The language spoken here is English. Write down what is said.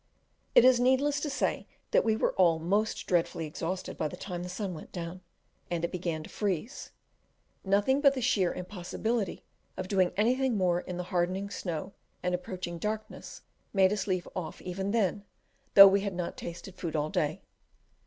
It is needless to say that we were all most dreadfully exhausted by the time the sun went down, and it began to freeze; nothing but the sheer impossibility of doing anything more in the hardening snow and approaching darkness made us leave off even then, though we had not tasted food all day.